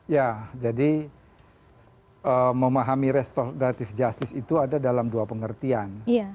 ya jadi memahami restoratif justice itu ada dalam dua pengertian